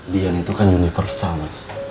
dian itu kan universal mas